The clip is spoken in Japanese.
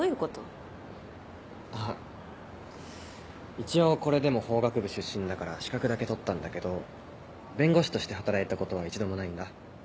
一応これでも法学部出身だから資格だけ取ったんだけど弁護士として働いたことは一度もないんだ。